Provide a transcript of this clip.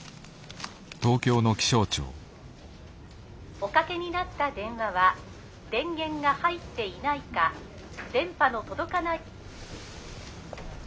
「おかけになった電話は電源が入っていないか電波の届かない」。